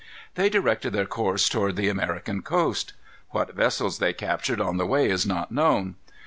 They directed their course toward the American coast. What vessels they captured on the way is not known.